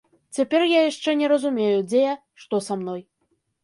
Цяпер я яшчэ не разумею, дзе я, што са мной.